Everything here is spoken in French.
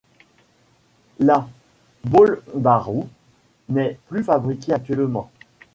La ballbarrow n'est plus fabriquée actuellement.